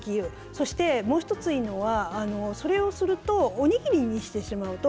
そして、もう１つ、いいのはそれをするとおにぎりにしてしまうと